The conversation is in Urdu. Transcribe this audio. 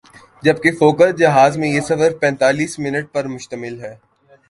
جبکہ فوکر جہاز میں یہ سفر پینتایس منٹ پر مشتمل ہے ۔